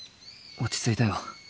落ち着いたよ。